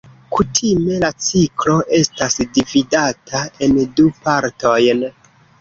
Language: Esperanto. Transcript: Kutime la ciklo estas dividata en du partojn.